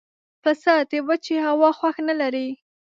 پسه د وچې هوا خوښ نه لري.